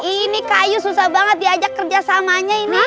ini kayu susah banget diajak kerjasamanya ini